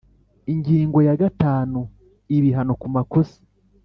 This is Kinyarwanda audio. Ingingo ya gatanu Ibihano kumakosa